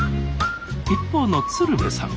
一方の鶴瓶さん。